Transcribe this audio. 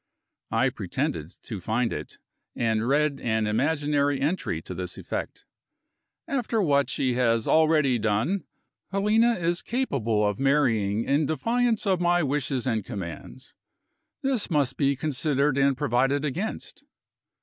I pretended to find it, and read an imaginary entry to this effect: "After what she has already done, Helena is capable of marrying in defiance of my wishes and commands. This must be considered and provided against."